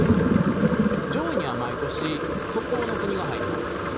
上位には毎年北欧の国が入ります。